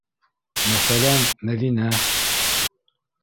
Мәҫәлән, Мәҙинә.